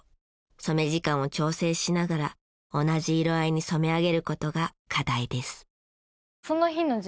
染め時間を調整しながら同じ色合いに染め上げる事が課題です。